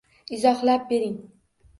Izohlab bering.